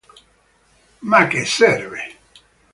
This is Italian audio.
Ma che serve?